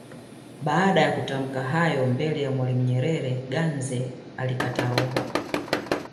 Baada ya kutamka hayo mbele ya Mwalimu Nyerere Ganze alikata roho